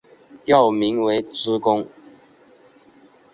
幼名为珠宫。